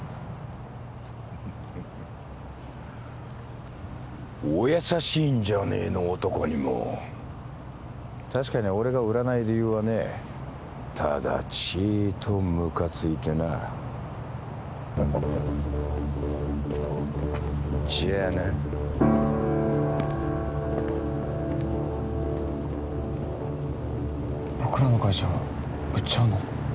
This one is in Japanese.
フフフお優しいんじゃねえの男にも確かに俺が売らない理由はねえただちっとムカついてなじゃあな僕らの会社売っちゃうの？